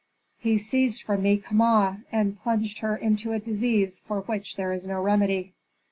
He seized from me Kama, and plunged her into a disease for which there is no remedy.